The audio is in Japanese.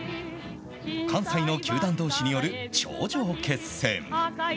関西の球団同士による頂上決戦。